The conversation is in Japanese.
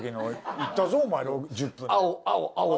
行ったぞお前１０分で。